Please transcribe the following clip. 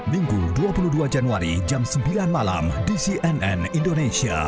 minggu dua puluh dua januari jam sembilan malam di cnn indonesia